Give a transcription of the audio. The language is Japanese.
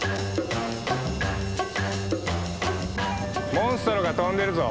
モンストロが飛んでるぞ。